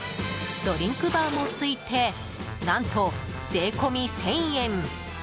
ドリンクバーもついて何と税込み１０００円。